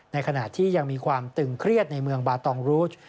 ในขณะที่ยังมีความตึงเครียดในเมืองบาตองรูช